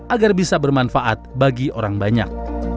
agar bisa bermanfaat bagi orang banyak